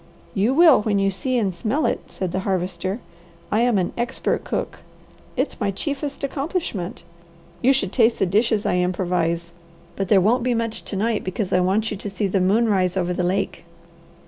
"You will when you see and smell it," said the Harvester. "I am an expert cook. It's my chiefest accomplishment. You should taste the dishes I improvise. But there won't be much to night, because I want you to see the moon rise over the lake."